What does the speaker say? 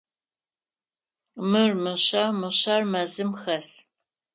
Мыр мышъэ, мышъэр мэзым хэс.